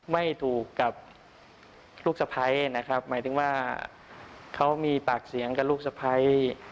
ไม่ถูกกับลูกสะพ้ายนะครับหมายถึงว่าเขามีปากเสียงกับลูกสะพ้าย